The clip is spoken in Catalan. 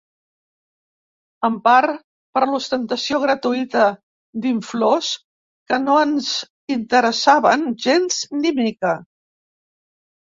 En part per l'ostentació gratuïta d'inflors que no ens interessaven gens ni mica.